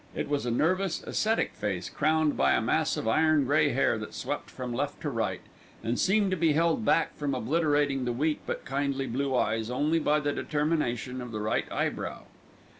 It was a nervous, ascetic face, crowned by a mass of iron grey hair that swept from left to right, and seemed to be held back from obliterating the weak but kindly blue eyes only by the determination of the right eyebrow.